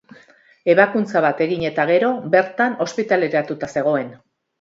Ebakuntza bat egin eta gero, bertan ospitaleratuta zegoen.